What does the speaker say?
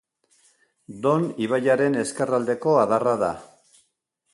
Don ibaiaren ezkerraldeko adarra da.